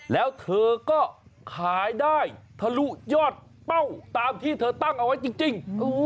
แล้วเธอก็ขายได้ทะลุยอดเป้าตามที่เธอตั้งเอาไว้จริง